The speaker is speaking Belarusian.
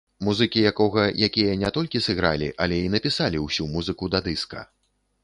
Музыкі якога якія не толькі сыгралі але і напісалі ўсю музыку да дыска.